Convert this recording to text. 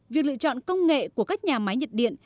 việc lựa chọn công nghệ của các nhà máy nhiệt điện